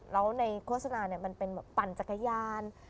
แล้วในโฆษณามันเป็นแบบปั่นจักรยาน